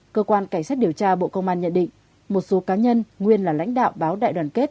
cơ quan cảnh sát điều tra bộ công an nhận định một số cá nhân nguyên là lãnh đạo báo đại đoàn kết